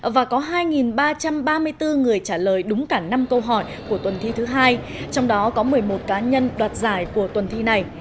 và có hai ba trăm ba mươi bốn người trả lời đúng cả năm câu hỏi của tuần thi thứ hai trong đó có một mươi một cá nhân đoạt giải của tuần thi này